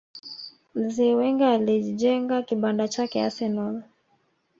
mzee Wenger alijenga kibanda chake arsenal